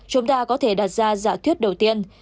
chúng ta có thể đặt ra giả thuyết đầu tiên